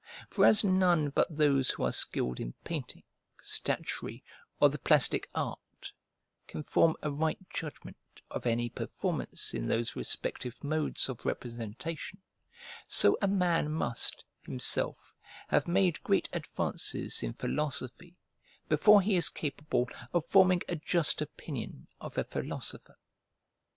For as none but those who are skilled in painting, statuary, or the plastic art, can form a right judgment of any performance in those respective modes of representation, so a man must, himself, have made great advances in philosophy before he is capable of forming a just opinion of a philosopher.